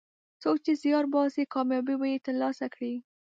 څوک چې زیار باسي، کامیابي به یې ترلاسه کړي.